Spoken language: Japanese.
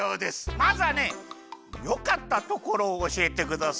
まずはねよかったところをおしえてください。